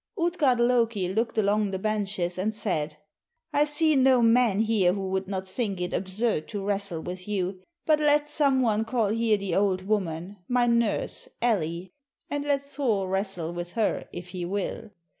Utgard Loki looked along the benches, and said "I see no man here who would not think it absurd to wrestle with you, but let some one call here the old woman, my nurse, Elli, and let Thor wrestle with her, if he will.